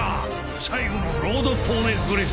最後のロードポーネグリフ！